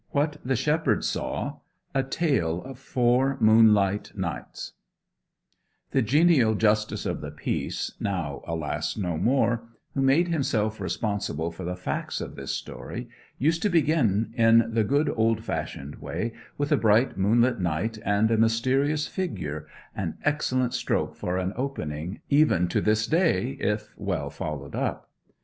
WHAT THE SHEPHERD SAW: A TALE OF FOUR MOONLIGHT NIGHTS The genial Justice of the Peace now, alas, no more who made himself responsible for the facts of this story, used to begin in the good old fashioned way with a bright moonlight night and a mysterious figure, an excellent stroke for an opening, even to this day, if well followed up.